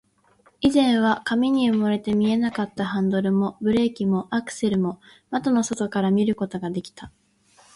以前は紙に埋もれて見えなかったハンドルも、ブレーキも、アクセルも、窓の外から見ることができた